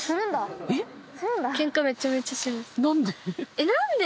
えっ！？何で！？